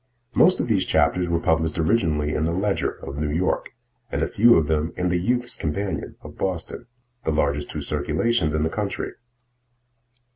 Most of these chapters were published originally in "The Ledger" of New York, and a few of them in "The Youths' Companion" of Boston, the largest two circulations in the country.